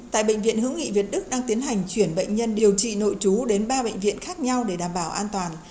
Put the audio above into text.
tại bệnh viện hữu nghị việt đức đang tiến hành chuyển bệnh nhân điều trị nội chú đến ba bệnh viện khác nhau để đảm bảo an toàn